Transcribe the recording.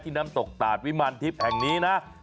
น้ำตกตาดวิมารทิพย์แห่งนี้นะ